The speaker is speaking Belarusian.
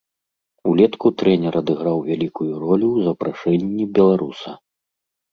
Улетку трэнер адыграў вялікую ролю ў запрашэнні беларуса.